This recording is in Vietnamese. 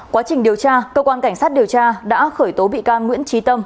quá trình điều tra cơ quan cảnh sát điều tra đã khởi tố bị can nguyễn trí tâm